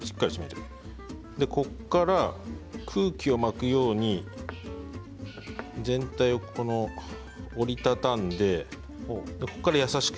ここから空気を巻くように全体を折り畳んで優しく。